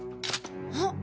あっ！